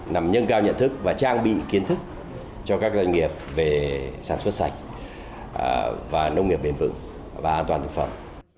nhằm nâng cao nhận thức và trang bị kiến thức cho các doanh nghiệp về sản xuất sạch và nông nghiệp bền vững và an toàn thực phẩm